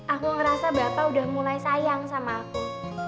aku ngerasa bapak udah mulai sayang sama aku